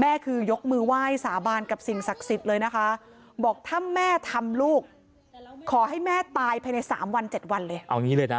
แม่คือยกมือไหว้สาบานกับสิ่งศักดิ์สิทธิ์เลยนะคะบอกถ้าแม่ทำลูกขอให้แม่ตายภายใน๓วัน๗วันเลยเอาอย่างนี้เลยนะ